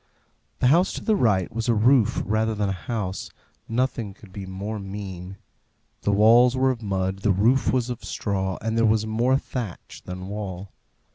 The house to the right was a roof rather than a house; nothing could be more mean. The walls were of mud, the roof was of straw, and there was more thatch than wall.